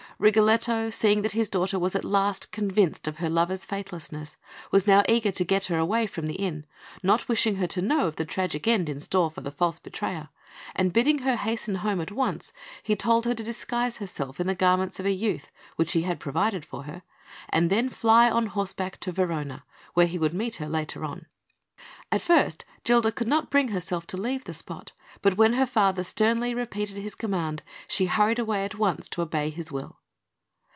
Rigoletto, seeing that his daughter was at last convinced of her lover's faithlessness, was now eager to get her away from the inn, not wishing her to know of the tragic end in store for the false betrayer; and bidding her hasten home at once, he told her to disguise herself in the garments of a youth, which he had provided for her, and to then fly on horseback to Verona, where he would meet her later on. At first, Gilda could not bring herself to leave the spot; but when her father sternly repeated his command, she hurried away at once to obey his will.